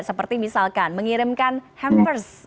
seperti misalkan mengirimkan hampers